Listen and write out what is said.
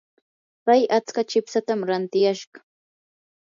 pay atska chipsatam rantiyashqa.